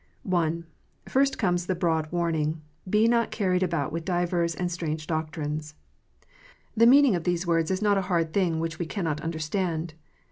I. First comes the broad warning: "Be not carried about with divers and strange doctrines." The meaning of these words is not a hard thing which we cannot understand.